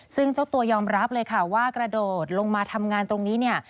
ซึ่งเจ้าตัวยอมรับว่ากระโดดลงมาทำงานตรงนี้